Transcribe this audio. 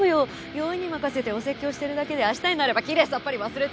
酔いに任せてお説教してるだけで明日になればきれいさっぱり忘れてるから。